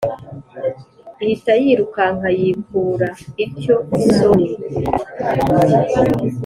ihita yirukanka yikura ityo isonni.